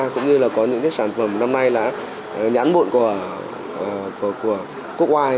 cũng như là có những sản phẩm năm nay là nhãn bộn của quốc oai